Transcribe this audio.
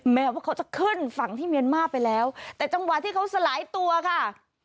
แม้ว่าเขาจะขึ้นฝั่งที่เมียนมาร์ไปแล้วแต่จังหวะที่เขาสลายตัวค่ะ